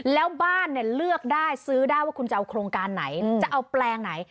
แล้วบ้านเนี่ยเลือกได้ซื้อได้ว่าคุณจะเอาโครงการไหนจะเอาแปลงไหน